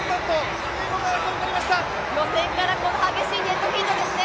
予選からこの激しいデッドヒートですね。